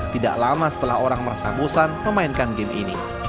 tidak lama setelah orang merasa bosan memainkan game ini